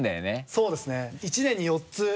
・そうですね１年に４つ。